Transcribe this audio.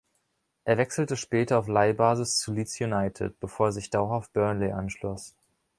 Er wechselte später auf Leihbasis zu Leeds United, bevor er sich dauerhaft Burnley anschloss.